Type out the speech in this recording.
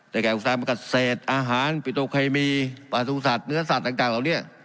แก่อุตสาหกรรมเกษตรอาหารปิโตเคมีประสุทธิ์เนื้อสัตว์ต่างเหล่านี้